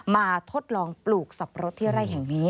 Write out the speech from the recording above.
ทดลองปลูกสับปะรดที่ไร่แห่งนี้